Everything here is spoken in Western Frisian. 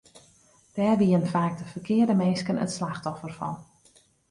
Dêr wienen faak de ferkearde minsken it slachtoffer fan.